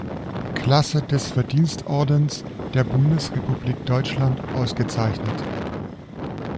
Klasse des Verdienstordens der Bundesrepublik Deutschland ausgezeichnet.